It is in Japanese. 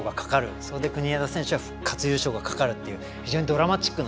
それで国枝選手は復活優勝がかかるっていう非常にドラマチックな。